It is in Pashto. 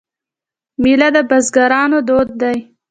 میله د بزګرانو دود دی.